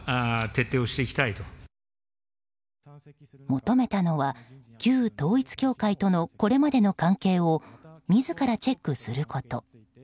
求めたのは、旧統一教会とのこれまでの関係を自らチェックすること。